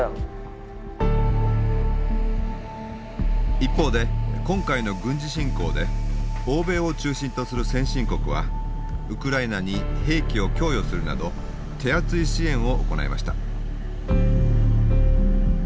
一方で今回の軍事侵攻で欧米を中心とする先進国はウクライナに兵器を供与するなど手厚い支援を行いました。